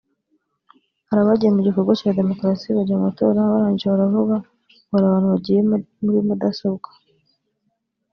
hari abagiye mu gikorwa cya demokarasi bajya mu matora barangije baravuga […] ngo hari abantu bagiye muri mudasobwa